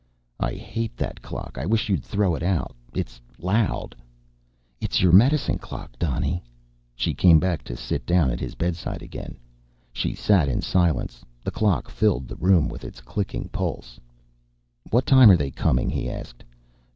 "I hate that clock. I wish you'd throw it out. It's loud." "It's your medicine clock, Donny." She came back to sit down at his bedside again. She sat in silence. The clock filled the room with its clicking pulse. "What time are they coming?" he asked.